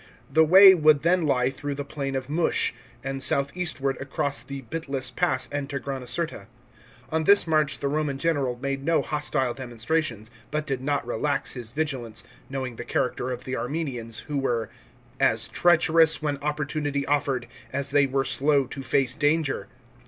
The way would then lie through the plain of Mush, and south eastward across the Bitlis pass and Tigranocerta.* On this march the Roman general made no hostile demonstrations, but did not relax his vigilance, knowing the character of the Armenians, who were " as treacherous when opportunity offered, as they were slow to face danger."